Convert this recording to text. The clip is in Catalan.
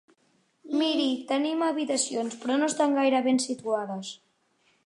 Miri, tenim habitacions, però no estan gaire ben situades.